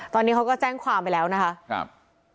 ตอนนี้เขาก็แจ้งความไปแล้วนะคะครับ